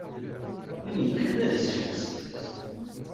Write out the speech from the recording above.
Win ikkren ad isfelsif.